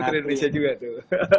dia putri indonesia juga tuh